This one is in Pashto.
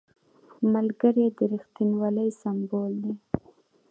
ملګری د رښتینولۍ سمبول دی